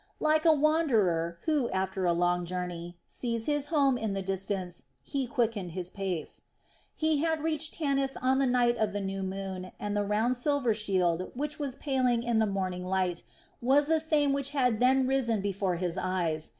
Like a wanderer, who, after a long journey, sees his home in the distance, he quickened his pace. He had reached Tanis on the night of the new moon and the round silver shield which was paling in the morning light was the same which had then risen before his eyes.